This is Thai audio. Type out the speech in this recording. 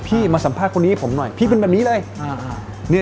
มาสัมภาษณ์คนนี้ให้ผมหน่อยพี่เป็นแบบนี้เลย